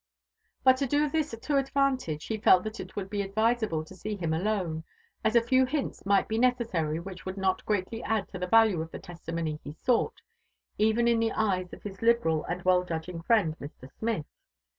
But to do this to ad vantage, he felt that it would be advisable to see him alone, as a few hints might be necessary which wpuld not greatly add to the value of the testimony he sought, even in the eyes of his liberal and well judging friend Mr. Smith.